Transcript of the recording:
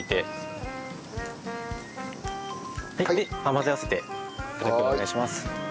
混ぜ合わせて軽くお願いします。